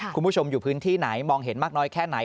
คุณผู้ชมอยู่พื้นที่ไหนมองเห็นมากน้อยแค่ไหน